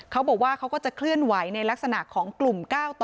เขาบอกว่าจะคลื่นไว้ในลักษณะของกลุ่ม๙